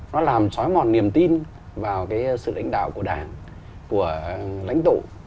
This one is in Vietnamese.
nó làm xói mòn niềm tin vào cái sự lãnh đạo của đảng của lãnh tụ